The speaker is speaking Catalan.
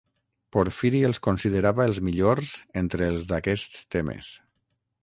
Porfiri els considerava els millors entre els d'aquests temes.